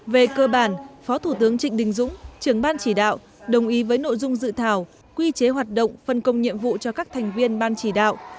về cơ bản phó thủ tướng trịnh đình dũng trưởng ban chỉ đạo đồng ý với nội dung dự thảo quy chế hoạt động phân công nhiệm vụ cho các thành viên ban chỉ đạo